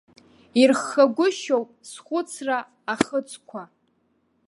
Ирххагәышьоуп схәыцра ахыцқәа.